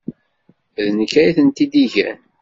D nekk ay tent-id-igan.